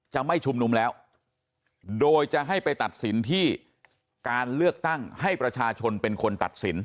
จะไม่ชุมนุมแล้วโดยจะให้ไปตัดสินที่การเลือกตั้งให้ประชาชนเป็นคนตัดสิน